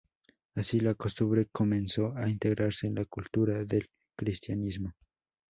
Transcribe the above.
Así, la costumbre comenzó a integrarse en la cultura del cristianismo".